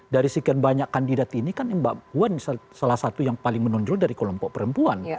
dari sekian banyak kandidat ini kan mbak puan salah satu yang paling menonjol dari kelompok perempuan